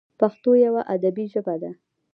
پښتو یوه ادبي ژبه ده.